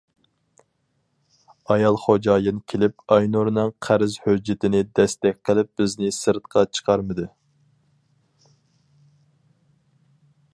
ئايال خوجايىن كېلىپ ئاينۇرنىڭ قەرز ھۆججىتىنى دەستەك قىلىپ بىزنى سىرتقا چىقارمىدى.